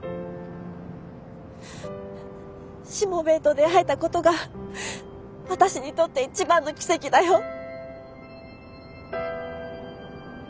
しもべえと出会えたことが私にとって一番の奇跡だよ。